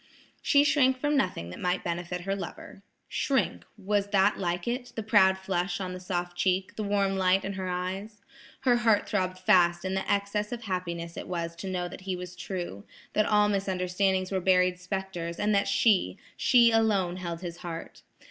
She shrank from nothing that might benefit her lover. Shrink! was that like it, the proud flush on the soft cheek, the warm light in her eyes? Her heart throbbed fast in the excess of happiness it was to know that he was true, that all misunderstandings were buried spectres, and that she–she alone held his heart.